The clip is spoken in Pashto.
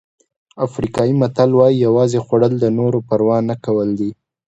افریقایي متل وایي یوازې خوړل د نورو پروا نه کول دي.